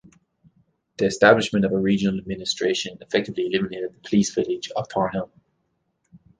The establishment of a regional administration effectively eliminated the Police Village of Thornhill.